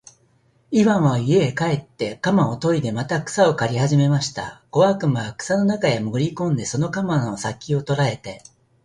イワンは家へ帰って鎌をといでまた草を刈りはじめました。小悪魔は草の中へもぐり込んで、その鎌の先きを捉えて、